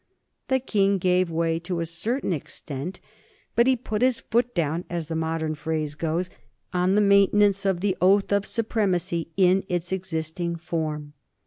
The King gave way to a certain extent, but he put his foot down, as the modern phrase goes, on the maintenance of the Oath of Supremacy in its existing form.